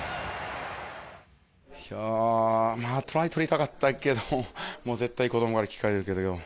トライ取りたかったけど、もう絶対子どもから聞かれるけど。